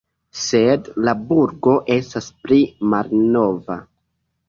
Sed la burgo estas pli malnova.